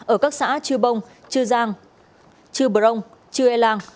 ở các xã chư bông chư giang chư prong chư e lang